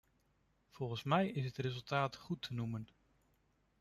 Volgens mij is het resultaat goed te noemen.